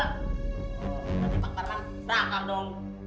nanti pak parman ratak dong